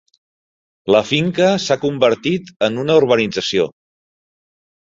La finca s'ha convertit en una urbanització.